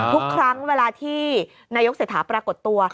ทุกครั้งเวลาที่นายกเศรษฐาปรากฏตัว